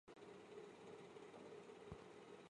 水碓斗母宫里的中国式道教庙观。